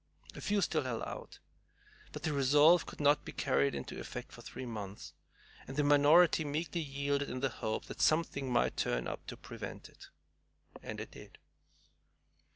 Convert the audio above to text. A few still held out. But the resolve could not be carried into effect for three months, and the minority meekly yielded in the hope that something might turn up to prevent it. And it did.